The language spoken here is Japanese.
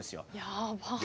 やばい。